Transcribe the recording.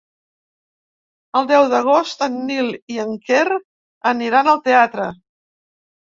El deu d'agost en Nil i en Quer aniran al teatre.